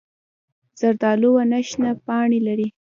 زردالو ونه شنه پاڼې لري.